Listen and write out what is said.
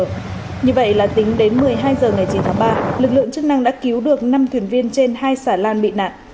như vậy là tính đến một mươi hai h ngày chín tháng ba lực lượng chức năng đã cứu được năm thuyền viên trên hai xà lan bị nạn